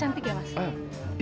cantik ya mas